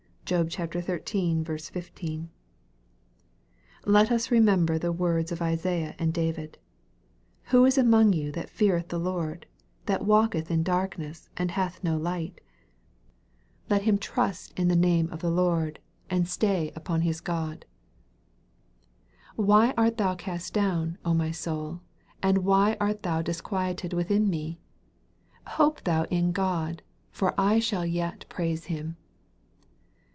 (Job xiii. 15.) Let them remember the words of Isaiah and David, " Who is among you that feareth the Lord that walketh in darkness, and hath no light ? let him trust in the name of the Lord, and MARK CHAP. XV. 349 stay upoi his God." "Why art thou cat down, rny soul, and why art thou disquieted within me t Hope tliou in God, for I shall yet praise him."